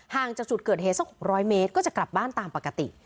จากจุดเกิดเหตุสัก๖๐๐เมตรก็จะกลับบ้านตามปกติ